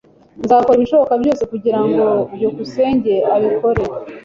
Nzakora ibishoboka byose kugirango byukusenge abikore.